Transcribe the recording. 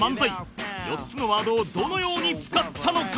４つのワードをどのように使ったのか？